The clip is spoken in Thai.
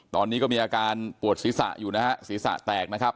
ตอนนี้ก็มีอาการปวดศีรษะอยู่นะฮะศีรษะแตกนะครับ